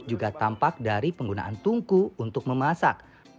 juga tampak dari penggunaan tungku untuk memasak